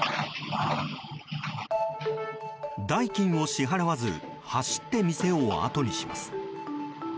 代金を支払わず走って店をあとにします。